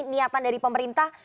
niatan dari pemerintah